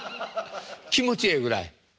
気持ちええぐらい？